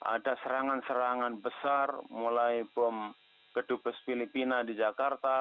ada serangan serangan besar mulai bom kedubes filipina di jakarta